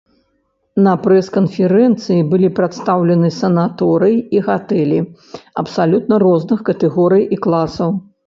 На прэс-канферэнцыі былі прадстаўленыя санаторыі і гатэлі абсалютна розных катэгорый і класаў.